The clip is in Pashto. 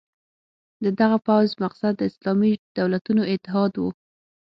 د دغه پوځ مقصد د اسلامي دولتونو اتحاد وو.